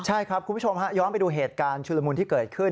ใช่ครับคุณผู้ชมฮะย้อนไปดูเหตุการณ์ชุลมุนที่เกิดขึ้น